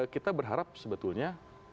kita berharap sebetulnya